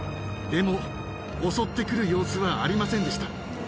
でも襲って来る様子はありませんでした。